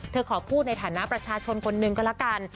เธอขอพูดในฐานะประชาชนคนนึงก็ละกัน